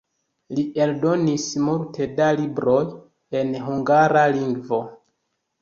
Li eldonis multe da libroj en hungara lingvo.